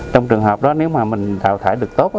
trong trường hợp đó nếu mà mình thảo thải được tốt